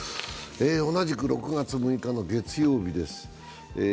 同じく６月６日の月曜日です。